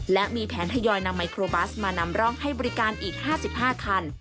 และมีแผนทยอยนำไมโครบัสมานำร่องให้บริการอีก๕๕คัน